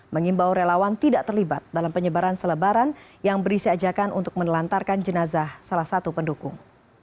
mengimbau relawan tidak terlibat dalam penyebaran selebaran yang berisi ajakan untuk menelantarkan jenazah salah satu pendukung